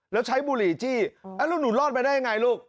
แล้วใช้บุหรี่จี้แล้วหนูรอดมาได้ยังไงลูก